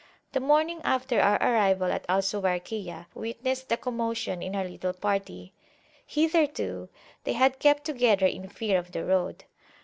The morning after our arrival at Al Suwayrkiyah witnessed a commotion in our little party: hitherto they had kept together in fear of the road.